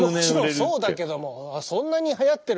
もちろんそうだけどもそんなにはやってる？